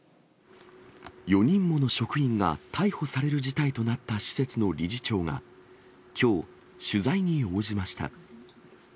４人もの職員が逮捕される事態となった施設の理事長がきょう、取材に応じました。